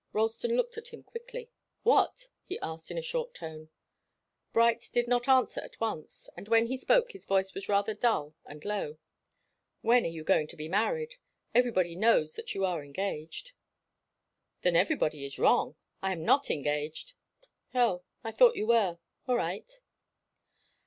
Ralston looked at him quickly. "What?" he asked in a short tone. Bright did not answer at once, and when he spoke his voice was rather dull and low. "When are you going to be married? Everybody knows that you are engaged." "Then everybody is wrong. I am not engaged." "Oh I thought you were. All right."